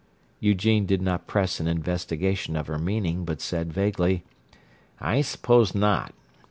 Eugene did not press an investigation of her meaning, but said vaguely, "I suppose not.